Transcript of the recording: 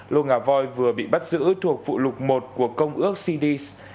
lô ngà voi vừa bị bắt giữ thuộc phụ lục một của công ước cd